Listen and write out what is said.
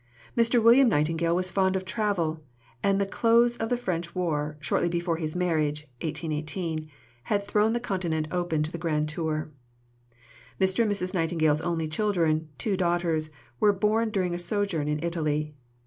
Mr. William Nightingale was fond of travel, and the close of the French war, shortly before his marriage (1818), had thrown the Continent open to the grand tour. Mr. and Mrs. Nightingale's only children, two daughters, were born during a sojourn in Italy.